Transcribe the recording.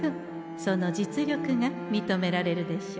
その実力がみとめられるでしょう。